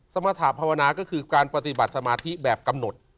สมรรถาภาวนาก็คือการปฏิบัติสมาธิแบบกำหนด